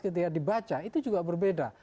ketika dibaca itu juga berbeda